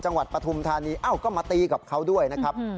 จังหวัดปฐุมธานีอ้าวก็มาตีกับเขาด้วยนะครับ